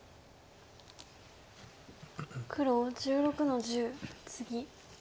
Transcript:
黒１６の十ツギ。